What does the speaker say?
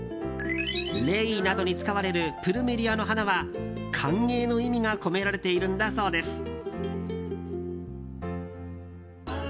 レイなどに使われるプルメリアの花は歓迎の意味が込められているんだそうです。